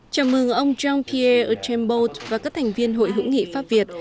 chào mừng ông jean pierre achembeau và các thành viên hội hữu nghị pháp việt